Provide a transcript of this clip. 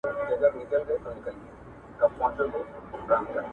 زه نن هم د پرون غوندې په دې ګناه لتاړ یم